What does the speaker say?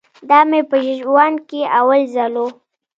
دا مې په ژوند کښې اول ځل و.